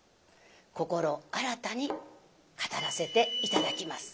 心新たに語らせて頂きます。